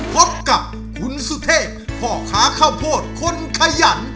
พบกับคุณสุเทพพ่อค้าข้าวโพดคนขยัน